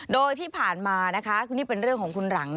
โดยที่ผ่านมานะคะนี่เป็นเรื่องของคุณหลัง